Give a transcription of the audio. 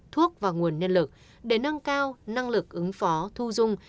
thuốc và nguồn nhân lực để nâng cao năng lực ứng phó thu dung